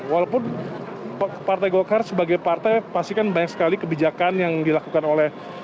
walaupun partai golkar sebagai partai pastikan banyak sekali kebijakan yang dilakukan oleh